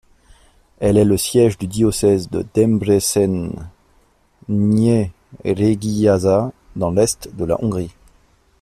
Elle est le siège du diocèse de Debrecen-Nyíregyháza dans l'est de la Hongrie.